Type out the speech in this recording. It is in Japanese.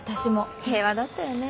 平和だったよね。